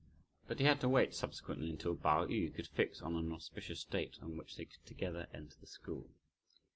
But he had to wait subsequently until Pao yü could fix on an auspicious date on which they could together enter the school.